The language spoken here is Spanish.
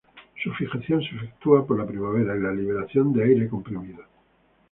Su fijación se efectúa por la primavera y la liberación de aire comprimido.